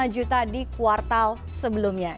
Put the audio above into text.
lima juta di kuartal sebelumnya